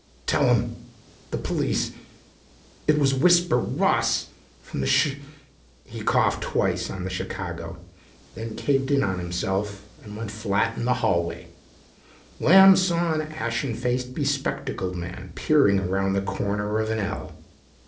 "Tell 'em the police it was was Whisper Ross from from Chi " He coughed twice on the "Chicago," then caved in on himself and went flat in the hallway. Lamb saw an ashen face bespectacled man peering around the corner of an ell.